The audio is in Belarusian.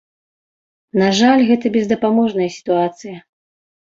На жаль, гэта бездапаможная сітуацыя.